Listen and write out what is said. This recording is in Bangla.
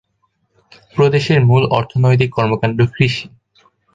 প্রদেশের মূল অর্থনৈতিক কর্মকাণ্ড কৃষি।